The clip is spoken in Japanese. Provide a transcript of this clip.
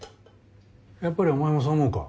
やっぱりお前もそう思うか。